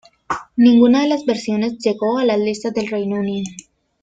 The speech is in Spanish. Ninguna de las versiones llegó a las listas del Reino Unido.